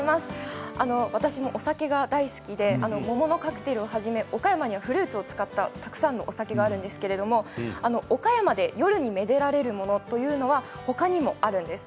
私もお酒が大好きで桃のカクテルをはじめ岡山のフルーツを使ったたくさんのお酒があるんですけれど岡山で夜にめでられるものというのは他にもあります。